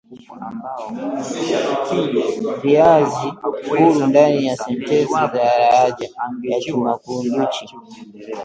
vishazi huru ndani ya sentensi za lahaja ya Kimakunduchi